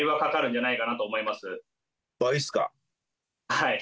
はい。